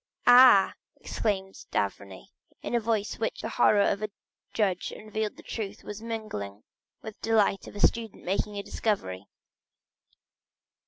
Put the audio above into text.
"Ah," exclaimed d'Avrigny, in a voice in which the horror of a judge unveiling the truth was mingled with the delight of a student making a discovery.